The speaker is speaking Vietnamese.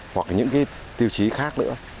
hoặc những tiêu chí khác nữa